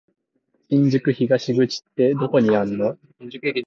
新宿東口ってどこにあんの？